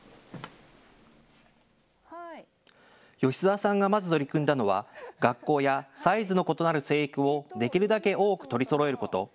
吉澤さんがまず取り組んだのは学校やサイズの異なる制服をできるだけ多く取りそろえること。